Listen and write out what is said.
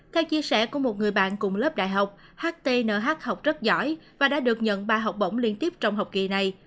theo chia sẻ của một người bạn cùng lớp đại học ht nh học rất giỏi và đã được nhận ba học bổng liên tiếp trong học kỳ này